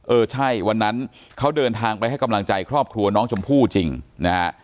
เออใช่วันนั้นเขาเดินทางไปให้กำลังใจครอบครัวน้องชมพู่จริงนะฮะ